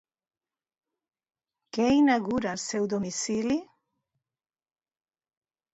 Què inaugura al seu domicili?